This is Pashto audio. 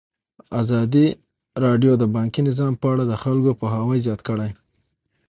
ازادي راډیو د بانکي نظام په اړه د خلکو پوهاوی زیات کړی.